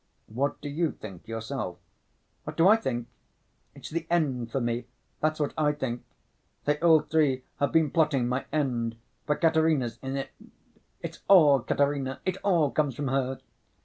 "What do you think yourself?" "What do I think? It's the end for me, that's what I think. They all three have been plotting my end, for Katerina's in it. It's all Katerina, it all comes from her.